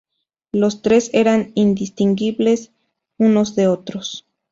Los tres eran indistinguibles unos de otros.